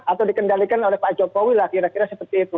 atau dikendalikan oleh pak jokowi lah kira kira seperti itu